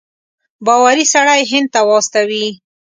باوري سړی هند ته واستوي.